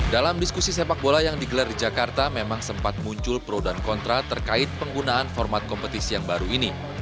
dalam diskusi sepak bola yang digelar di jakarta memang sempat muncul pro dan kontra terkait penggunaan format kompetisi yang baru ini